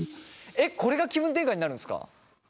えっこれが気分転換になるんですか？